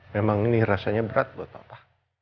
memang ini rasanya berat buat apa